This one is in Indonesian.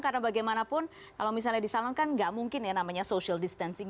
karena bagaimanapun kalau misalnya di salon kan tidak mungkin ya namanya social distancing